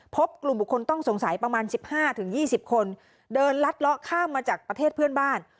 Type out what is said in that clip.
พบกลุ่มบุคคลต้องสงสัยประมาณ๑๕๒๐คนเดินลัดเลาะข้ามมาจากประเทศเพื่อนบ้าน